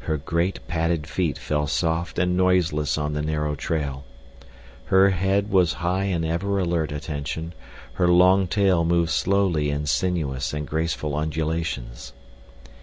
Her great padded feet fell soft and noiseless on the narrow trail. Her head was high in ever alert attention; her long tail moved slowly in sinuous and graceful undulations.